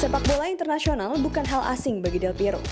sepak bola internasional bukan hal asing bagi del piro